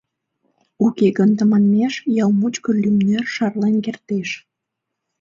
Уке гын тыманмеш ял мучко лӱмнер шарлен кертеш.